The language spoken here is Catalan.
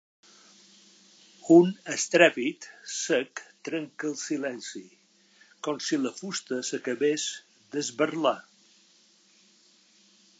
Un estrèpit sec trenca el silenci, com si la fusta s'acabés d'esberlar.